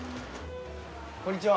こんにちは。